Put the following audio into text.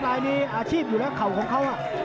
รายนี้อาชีพอยู่แล้วเข่าของเขา